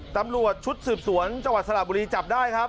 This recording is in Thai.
ตำรวจชุดสืบสวนจังหวัดสระบุรีจับได้ครับ